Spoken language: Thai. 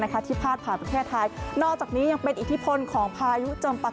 นะคะที่พลาดผ่านประเทศไทยนอกจากนี้ยังเป็นอิทธิพลของพายุ